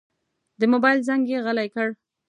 د موبایل زنګ یې غلی کړ.